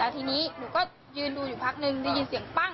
ทีนี้หนูก็ยืนดูอยู่พักนึงได้ยินเสียงปั้ง